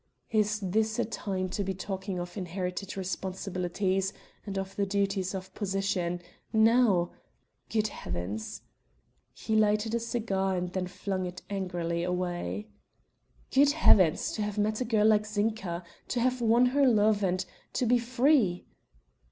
"Is this a time to be talking of inherited responsibilities and the duties of position now! Good heavens!" He lighted a cigar and then flung it angrily away. "Good heavens! to have met a girl like Zinka to have won her love and to be free!..."